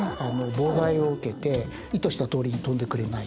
妨害を受けて意図したとおりに飛んでくれない。